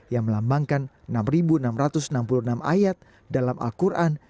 yang melambangkan enam enam ratus enam puluh enam ayat dalam al quran